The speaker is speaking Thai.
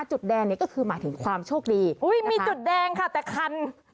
จุดแดงเนี่ยก็คือหมายถึงความโชคดีอุ้ยมีจุดแดงค่ะแต่คัน